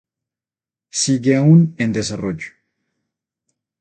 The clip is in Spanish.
Sigue aún en desarrollo.